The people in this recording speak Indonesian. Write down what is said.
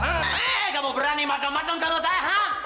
heee kamu berani macam macam sama saya hah